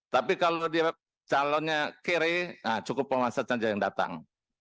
tapi kalau dia calonnya kere cukup penguasa saja yang datang